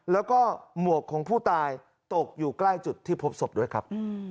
แล้วก็หมวกของผู้ตายตกอยู่ใกล้จุดที่พบศพด้วยครับ